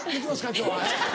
今日は。